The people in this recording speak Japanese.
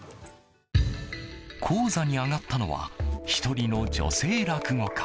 高座に上がったのは１人の女性落語家。